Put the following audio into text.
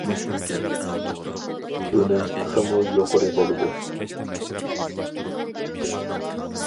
ئۈنۈم تېخىمۇ يۇقىرى بولىدۇ.